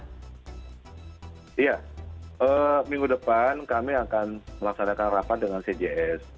iya minggu depan kami akan melaksanakan rapat dengan cjs